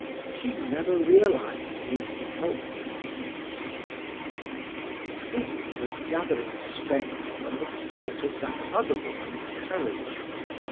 She never realized his helplessness. Siegmund was gathering strength from the thought of that other woman's courage.